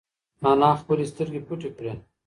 انا خپلې سترگې پټې کړې.